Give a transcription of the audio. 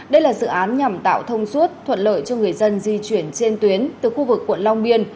đây là dự án nhằm tạo thông suốt thuận lợi cho người dân di chuyển trên tuyến từ khu vực quận long biên